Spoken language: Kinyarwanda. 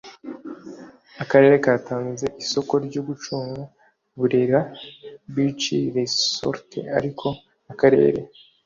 Akarere katanze isoko ryo gucunga Burera Beach Resort ariko Akarere